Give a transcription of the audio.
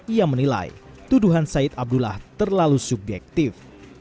ia menilai tuduhan said abdullah terlalu subjektif